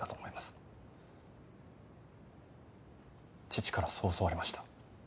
父からそう教わりました。